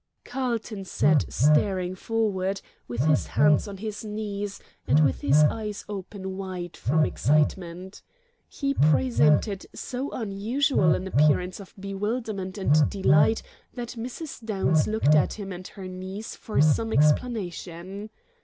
'" Carlton sat staring forward, with his hands on his knees, and with his eyes open wide from excitement. He presented so unusual an appearance of bewilderment and delight that Mrs. Downs looked at him and at her niece for some explanation.